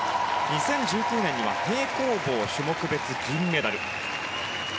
２０１９年には平行棒種目別、銀メダル。